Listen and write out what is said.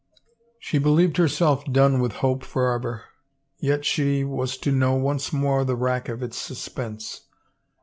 She believed herself done with hope forever, yet she was to know once more the rack of its suspense.